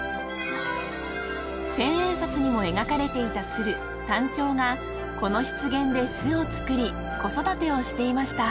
［千円札にも描かれていた鶴タンチョウがこの湿原で巣を作り子育てをしていました］